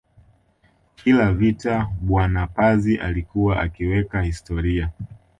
Kila vita bwana Pazi alikuwa akiweka historia